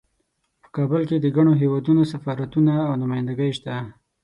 په کابل کې د ګڼو هیوادونو سفارتونه او نمایندګۍ شته